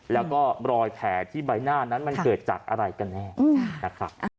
แล้วก็รอยแผลที่ใบหน้านั้นมันเกิดจากอะไรกันแน่นะครับ